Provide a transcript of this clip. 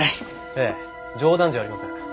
ええ冗談じゃありません。